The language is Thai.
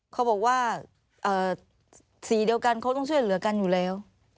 เขาบอกว่าสีเดียวกันเขาต้องช่วยเหลือกันอยู่แล้ว